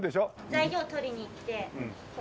材料取りに行って運びに。